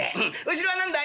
後ろは何だい？」。